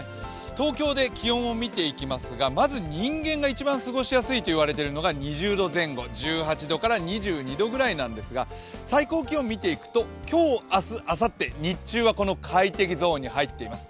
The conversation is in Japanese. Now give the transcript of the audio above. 東京で気温を見ていきますがまず人間が一番過ごしやすいといわれているのが２０度前後１８度から２２度くらいなんですが今日、明日、あさって日中はこの快適ゾーンに入っています。